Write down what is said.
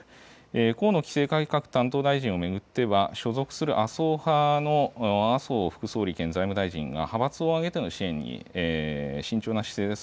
河野規制改革担当大臣を巡っては所属する麻生派の麻生副総理兼財務大臣が派閥を挙げての支援に慎重な姿勢です。